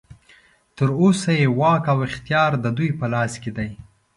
تر اوسه یې واک او اختیار ددوی په لاس کې دی.